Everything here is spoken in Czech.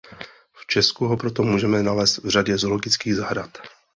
V Česku ho proto můžeme nalézt v řadě zoologických zahrad.